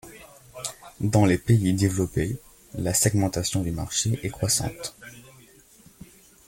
Dans les pays développés, la segmentation du marché est croissante.